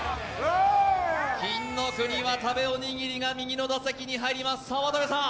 金の国・渡部おにぎりが右の打席に入ります。